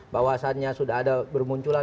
bahwasannya sudah ada bermunculan